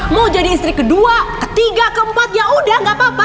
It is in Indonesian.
mau jadi istri kedua ketiga keempat ya udah gak apa apa